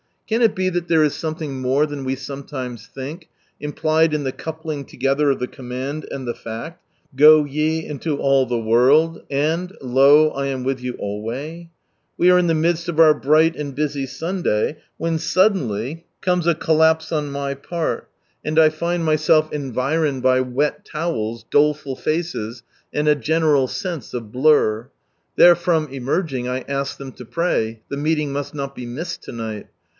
Can it be that there is something more than we sometimes think, impUed in the coupling together of the command, and the fact, —" Go ye into all the worid ... And, lo, 1 am with you alway "? We are in the midst of our bright and busy Sunday, when suddenly comes a, p Amen. Hallelujah! 179 collapse on my part, and I find myself environed by ivet lowels, doleful faces, and a general sense of blur. Therefrom emerging I ask them lo pray — the meeting must not be missed to night